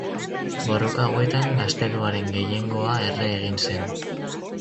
Borroka hauetan gazteluaren gehiengoa erre egin zen.